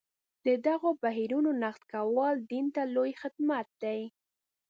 د دغو بهیرونو نقد کول دین ته لوی خدمت دی.